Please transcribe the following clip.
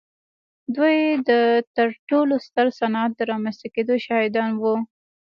دوی د تر ټولو ستر صنعت د رامنځته کېدو شاهدان وو.